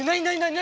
何？